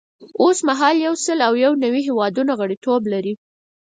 اوس مهال یو سل او یو نوي هیوادونه غړیتوب لري.